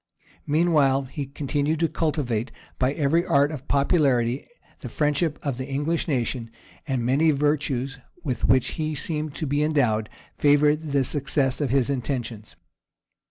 [] Meanwhile he continued to cultivate, by every art of popularity, the friendship of the English nation; and many virtues with which he seemed to be endowed, favored the success of his intentions.